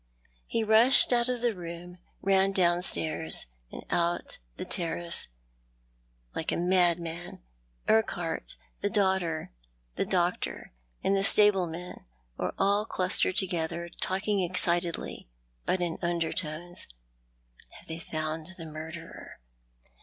He rushed out of the room, ran downstairs and out to the terrace, like a madman. Urquhart, the doctor, and the stable men were all clustered together, talking excitedly, but in imdertones. "Have they found the murderer?"